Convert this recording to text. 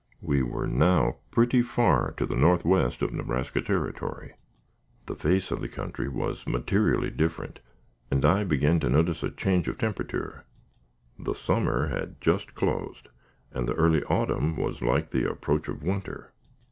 We were now pretty far to the northwest of Nebraska Territory. The face of the country was materially different, and I began to notice a change of temperature. The summer had just closed, and the early autumn was like the approach of winter.